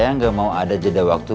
saya nggak mau ada jeda waktu